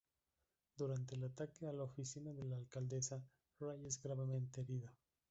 Durante el ataque a la oficina de la alcaldesa, Ray es gravemente herido.